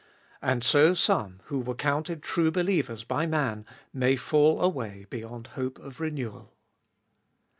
And so some, who were counted true believers by man, may fall away beyond hope of renewal.